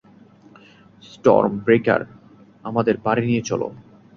Sturm breaker, আমাদের বাড়ি নিয়ে চলো।